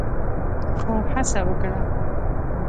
خو هڅه وکړه